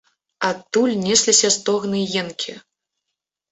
Адтуль несліся стогны і енкі.